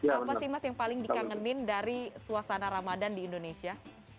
apa sih mas yang paling dikangenin dari suasana ramadan di indonesia